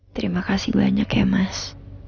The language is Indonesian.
terima kasih banyak ya mas